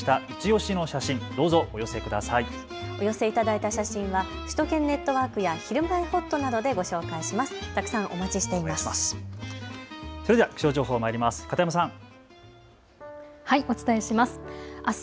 お寄せいただた写真は首都圏ネットワークやひるまえほっとなどでご紹介します。